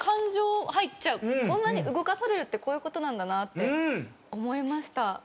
こんなに動かされるってこういう事なんだなって思いました。